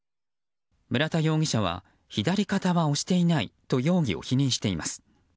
村田容疑者は左肩は押していないと容疑を否認しています。